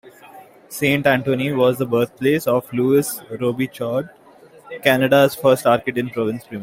Saint-Antoine was the birthplace of Louis Robichaud, Canada's first Acadian provincial premier.